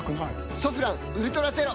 「ソフランウルトラゼロ」